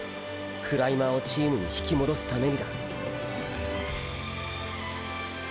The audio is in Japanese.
クライマーをチームに引き戻すためにだ！